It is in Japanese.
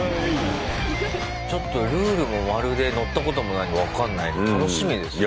ちょっとルールもまるで乗ったこともないんで分かんないんで楽しみですね。